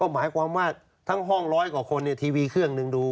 หมายความว่าทั้งห้องร้อยกว่าคนทีวีเครื่องหนึ่งดู